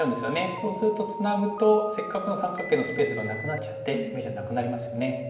そうするとツナぐとせっかくの三角形のスペースがなくなっちゃって眼じゃなくなりますよね。